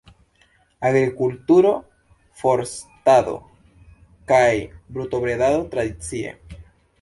Agrikulturo, forstado kaj brutobredado tradicie.